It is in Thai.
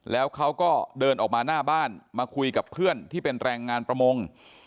แล้วเขาก็เดินออกมาหน้าบ้านมาคุยกับเพื่อนที่เป็นแรงงานประมง